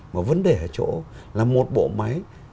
mà vấn đề ở chỗ là một bộ máy